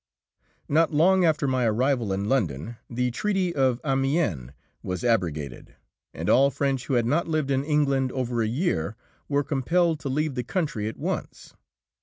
Not long after my arrival in London, the Treaty of Amiens was abrogated, and all French who had not lived in England over a year were compelled to leave the country at once.